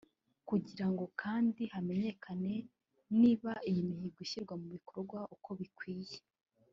Kugirango kandi hamenyekane niba iyi mihigo ishyirwa mu bikorwa uko bikwiye